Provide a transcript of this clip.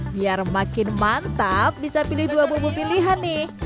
biar makin mantap bisa pilih dua bumbu pilihan nih